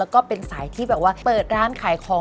ก็เป็นสายที่แบบว่าเปิดร้านขายของ